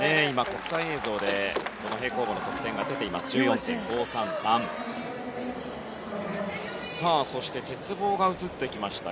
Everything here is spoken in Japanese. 国際映像で平行棒の得点が出ました。１４．５３３。